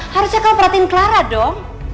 harusnya kalau perhatiin clara dong